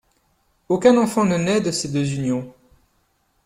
Aucun enfant ne naît de ces deux unions.